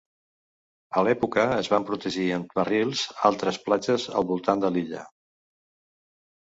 A l'època es van protegir amb barrils altres platges al voltant de l'illa.